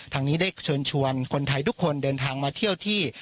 ทางนี้ได้เชิญชวนคนไทยทุกคนเดินทางมาเที่ยวที่